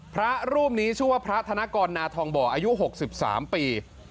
พระรูปนี้ชื่อว่าพระธนกรนาทองบ่ออายุ๖๓ปี